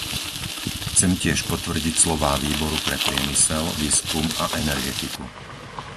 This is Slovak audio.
Chcem tiež potvrdiť slová Výboru pre priemysel, výskum a energetiku.